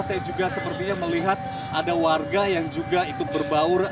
saya juga sepertinya melihat ada warga yang juga ikut berbaur